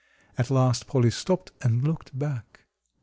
At last Polly stopped and looked back.